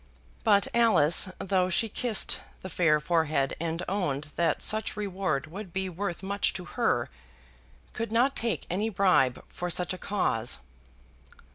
But Alice, though she kissed the fair forehead and owned that such reward would be worth much to her, could not take any bribe for such a cause.